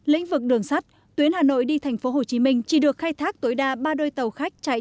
lĩnh vực đường sắt tuyến hà nội đi tp hcm chỉ được khai thác tối đa ba đôi tàu khách chạy